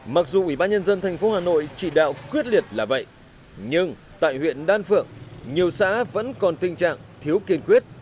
mặc dù ủy ban nhân dân thành phố hà nội chỉ đạo quyết liệt là vậy nhưng tại huyện đan phượng nhiều xã vẫn còn tình trạng thiếu kiên quyết